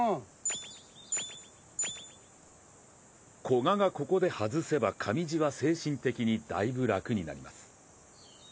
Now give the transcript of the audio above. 古閑がここで外せば上地は精神的にだいぶ楽になります。